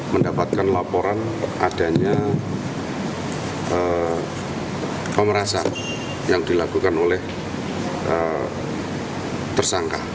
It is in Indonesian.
mendapatkan laporan adanya pemerasan yang dilakukan oleh tersangka